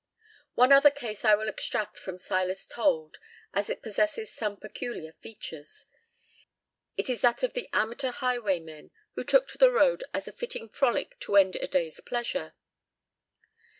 One other case I will extract from Silas Told, as it possesses some peculiar features. It is that of the amateur highwaymen who took to the road as a fitting frolic to end a day's pleasure.